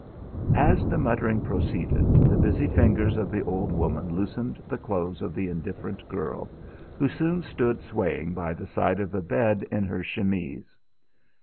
As the muttering proceeded, the busy fingers of the old woman loosened the clothes of the indifferent girl, who soon stood swaying by the side of the bed in her chemise.